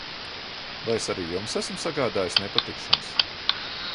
Vai es arī jums esmu sagādājis nepatikšanas?